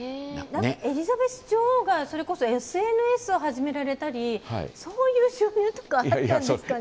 エリザベス女王がＳＮＳを始められたりそういう収入とかあったんですかね。